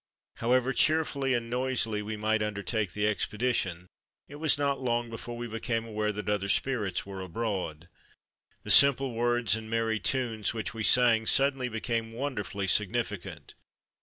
However cheerfully and noisily we might undertake the expedition, it was not long before we became aware that other spirits were abroad. The simple words and merry tunes which we sang suddenly became wonderfully significant.